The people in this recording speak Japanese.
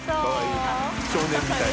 少年みたい。